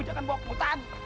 jangan bawa putan